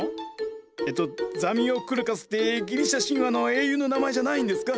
えっとザミオクルカスってギリシャ神話の英雄の名前じゃないんですか？